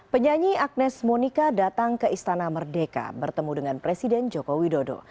penyanyi agnes monika datang ke istana merdeka bertemu dengan presiden joko widodo